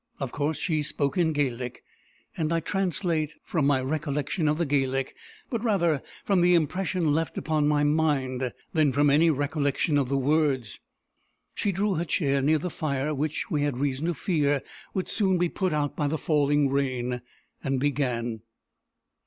Of course she spoke in Gaelic; and I translate from my recollection of the Gaelic; but rather from the impression left upon my mind, than from any recollection of the words. She drew her chair near the fire, which we had reason to fear would soon be put out by the falling rain, and began.